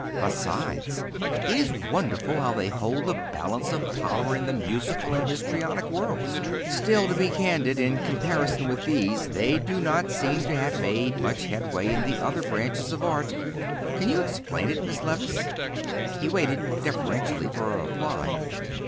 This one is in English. "Besides, it is wonderful how they hold the balance of power in the musical and histrionic worlds. Still, to be candid, in comparison with these, they do not seem to have made much headway in the other branches of art. Can you explain it, Miss Levice?" He waited deferentially for a reply.